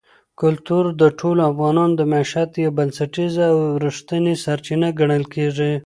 کلتور د ټولو افغانانو د معیشت یوه بنسټیزه او رښتینې سرچینه ګڼل کېږي.